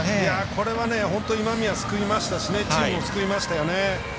これは、本当に今宮を救いましたしチームを救いましたよね。